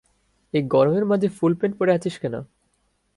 এই গরমের মাঝে ফুল প্যান্ট পরে আছিস কেন?